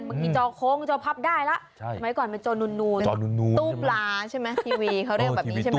เมื่อกี้จอโค้งจอพับได้ล่ะไหมเกิดเป็นโจนูนตู้ปลาใช่ไหมคุณ